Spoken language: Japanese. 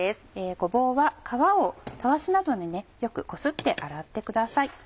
ごぼうは皮をたわしなどでよくこすって洗ってください。